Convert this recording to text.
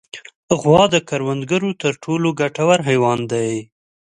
غوا د کروندګرو تر ټولو ګټور حیوان دی.